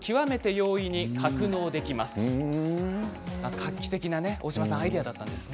画期的なアイデアだったんですね。